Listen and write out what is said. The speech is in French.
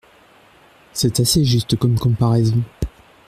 C’est assez juste comme comparaison.